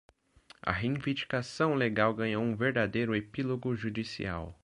A reivindicação legal ganhou um verdadeiro epílogo judicial.